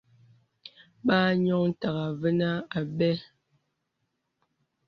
Bà ànioŋ tàgā və̂ nà àbə.